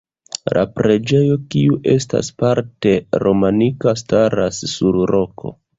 La preĝejo, kiu estas parte romanika, staras sur roko.